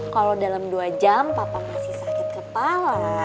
kalo dalam dua jam papa masih sakit kepala